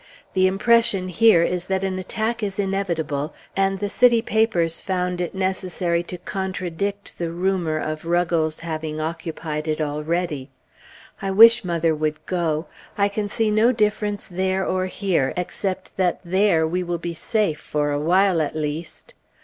The impression here, is that an attack is inevitable, and the city papers found it necessary to contradict the rumor of Ruggles having occupied it already. I wish mother would go. I can see no difference there or here, except that there, we will be safe, for a while at least....